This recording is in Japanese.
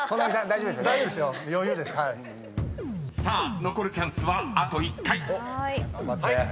［さあ残るチャンスはあと１回。